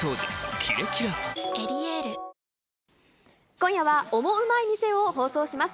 今夜は、オモウマい店を放送します。